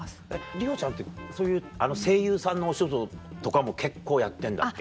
里帆ちゃんってそういう声優さんのお仕事とかも結構やってんだっけ？